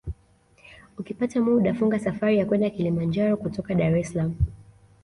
Ukipata muda funga safari ya kwenda Kilimanjaro kutoka Dar es Salaam